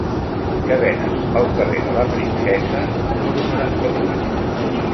Què venen al carrer de la Princesa número noranta-vuit?